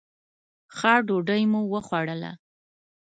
ښه ډوډۍ مو وخوړله.